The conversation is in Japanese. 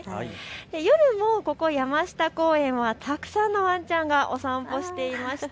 夜もここ山下公園はたくさんのワンちゃんがお散歩していました。